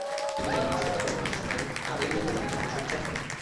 কিন্তু যারা নাশকতা করে, মানুষ মারে, তাদের বিরুদ্ধে জনগণকে সোচ্চার হতে হবে।